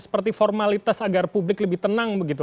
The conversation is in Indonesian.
seperti formalitas agar publik lebih tenang begitu